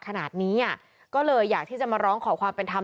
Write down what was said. ฉะนั้นเขาอยากที่จะมาร้องขอความเป็นธรรม